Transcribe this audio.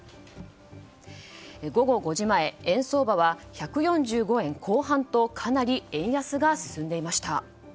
午後５時前円相場は１４５円後半とかなり円安が進んでいました。